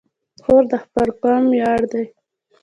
خور د خپل قوم ویاړ ده.